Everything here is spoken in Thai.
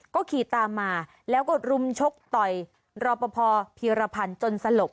ก็ขี่ตามมาแล้วก็รุมชกต่อยรอปภพีรพันธ์จนสลบ